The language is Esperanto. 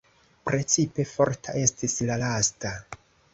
Precipe forta estis la lasta.